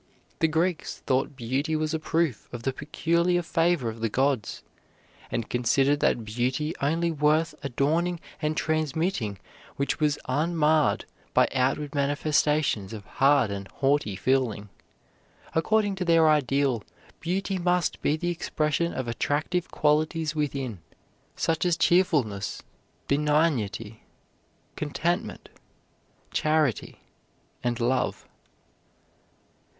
The Greeks thought beauty was a proof of the peculiar favor of the gods, and considered that beauty only worth adorning and transmitting which was unmarred by outward manifestations of hard and haughty feeling. According to their ideal, beauty must be the expression of attractive qualities within such as cheerfulness, benignity, contentment, charity, and love.